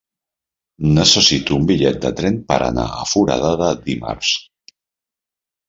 Necessito un bitllet de tren per anar a Foradada dimarts.